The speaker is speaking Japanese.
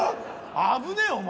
危ねえお前。